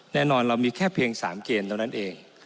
แน่นอนเรามีแค่เพียง๓เกณฑ์เท่านั้นเอง